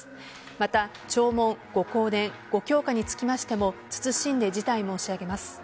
また弔問、ご香典ご供花につきましても謹んで辞退申し上げます。